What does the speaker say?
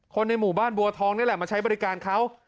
ในหมู่บ้านบัวทองนี่แหละมาใช้บริการเขา